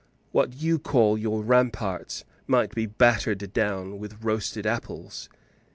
What you call your ramparts might be battered down with roasted apples."